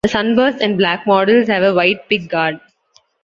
The sunburst and black models have a white pick guard.